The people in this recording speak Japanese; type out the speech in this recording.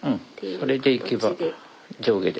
それでいけば上下で。